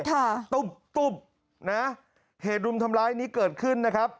ตุ๊บตุ๊บนะเหตุรุมทำร้ายนี้เกิดขึ้นนะครับ